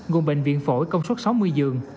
gồm bệnh viện phổi công suất sáu mươi giường